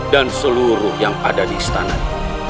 dan seluruh yang ada di istana ini